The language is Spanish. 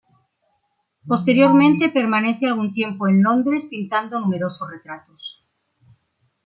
Posteriormente permanece algún tiempo en Londres pintando numerosos retratos.